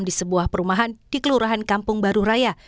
di sebuah perumahan di kelurahan kampung baru raya